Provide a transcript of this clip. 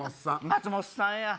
松本さんや！